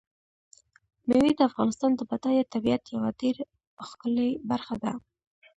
مېوې د افغانستان د بډایه طبیعت یوه ډېره ښکلې برخه ده.